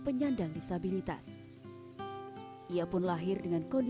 ini jari satu hilang